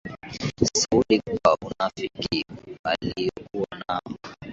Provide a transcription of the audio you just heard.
Sauli kwa unafiki aliokuwa nao.